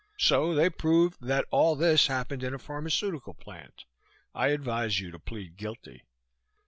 So they proved that all this happened in a pharmaceutical plant. I advise you to plead guilty."